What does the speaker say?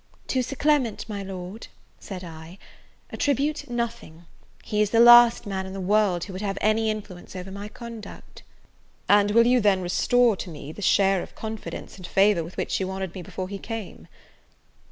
"To Sir Clement, my Lord," said I, "attribute nothing. He is the last man in the world who would have any influence over my conduct." "And will you, then, restore to me that share of confidence and favour with which you honoured me before he came?"